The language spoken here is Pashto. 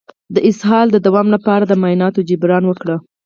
د اسهال د دوام لپاره د مایعاتو جبران وکړئ